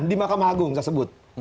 di mahkamah agung saya sebut